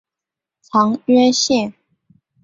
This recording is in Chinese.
长渊线